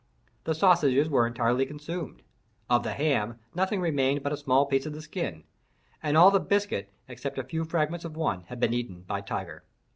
The sausages were entirely consumed; of the ham nothing remained but a small piece of the skin; and all the biscuit, except a few fragments of one, had been eaten by Tiger.